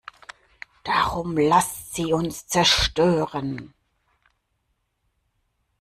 Darum lasst sie uns zerstören!